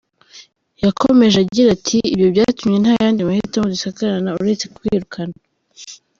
Yakomeje agira ati “Ibyo byatumye nta yandi mahitamo dusigarana, uretse kubirukana.